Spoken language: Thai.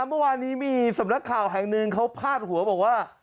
เมื่อวานนี้มีสำนักข่าวแห่งหนึ่งเขาพาดหัวบอกว่า